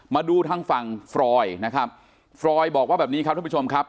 มาดูทางฝั่งฟรอยนะครับฟรอยบอกว่าแบบนี้ครับท่านผู้ชมครับ